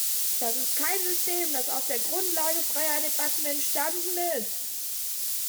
Das ist kein System, das auf der Grundlage freier Debatten entstanden ist.